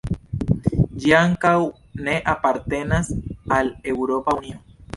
Ĝi ankaŭ ne apartenas al Eŭropa Unio.